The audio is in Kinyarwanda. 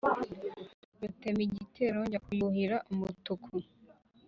rutemigitero njya kuyuhira umutuku